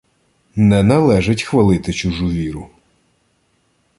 Не належить хвалити чужу віру.